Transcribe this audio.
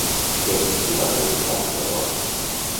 Què li va preguntar, llavors?